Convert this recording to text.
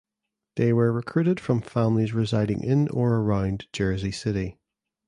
They were recruited from families residing in or around Jersey City.